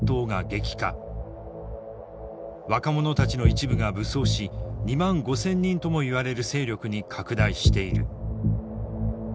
若者たちの一部が武装し２万５，０００人ともいわれる勢力に拡大している。